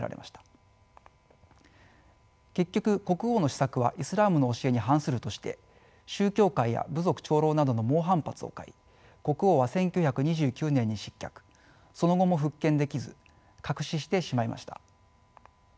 結局国王の施策はイスラームの教えに反するとして宗教界や部族長老などの猛反発を買い国王は１９２９年に失脚その後も復権できず客死してしまいました。